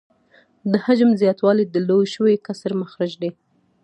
د حجم زیاتوالی د لوی شوي کسر مخرج دی